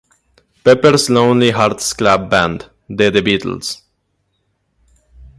Pepper's Lonely Hearts Club Band" de The Beatles.